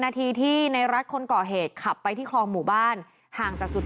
นาทีที่ในรัฐคนก่อเหตุขับไปที่คลองหมู่บ้านห่างจากจุด